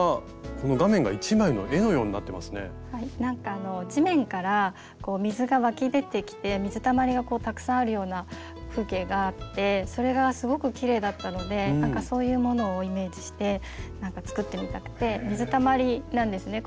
なんかあの地面から水が湧き出てきて水たまりがたくさんあるような風景があってそれがすごくきれいだったのでそういうものをイメージして作ってみたくて水たまりなんですね